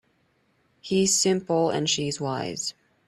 He's simple and she's wise.